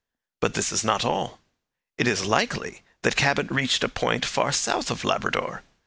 But this is not all. It is likely that Cabot reached a point far south of Labrador.